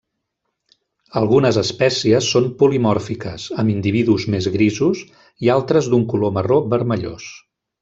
Algunes espècies són polimòrfiques, amb individus més grisos i altres d'un color marró vermellós.